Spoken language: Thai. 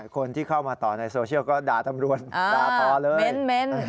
คนที่เข้ามาต่อในโซเชียลก็ด่าตำรวจด่าต่อเลย